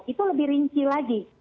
itu lebih rinci lagi